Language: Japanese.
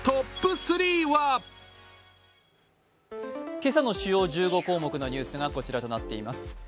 今朝の主要１５項目のニュースがこちらになっています。